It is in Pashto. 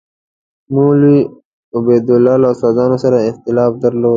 مولوي عبیدالله له استادانو سره اختلاف درلود.